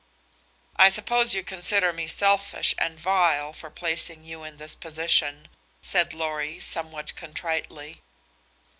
"I suppose you consider me selfish and vile for placing you in this position," said Lorry, somewhat contritely.